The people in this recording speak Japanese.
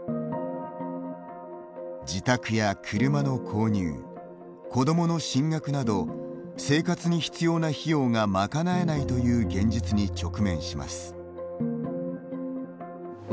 自宅や車の購入、子供の進学など生活に必要な費用が賄えないという現実に直面します。